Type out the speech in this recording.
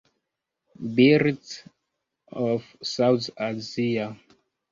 Birds of South Asia.